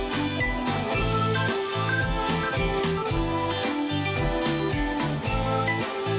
โปรดติดตามตอนต่อไป